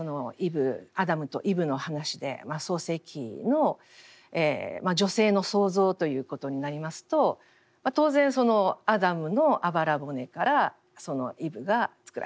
アダムとイブの話で「創世記」の女性の創造ということになりますと当然アダムのあばら骨からイブがつくられたと。